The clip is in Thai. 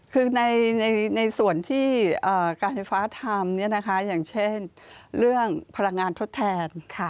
คือในส่วนที่การไฟฟ้าทำอย่างเช่นเรื่องพลังงานทดแทน